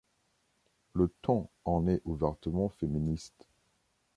Le ton en est ouvertement féministe.